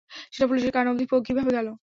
সেটা পুলিশের কান অব্ধি কীভাবে গেল?